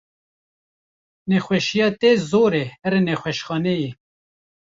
Nexweşiya te zor e here nexweşxaneyê.